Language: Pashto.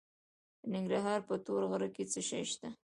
د ننګرهار په تور غره کې څه شی شته؟